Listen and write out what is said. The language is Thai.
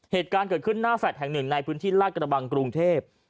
เหตุการณ์เกิดขึ้นหน้าแฟลต์แห่งหนึ่งในพื้นที่ลาดกระบังกรุงเทพ